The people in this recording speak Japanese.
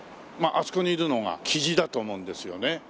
まああそこにいるのがキジだと思うんですよね。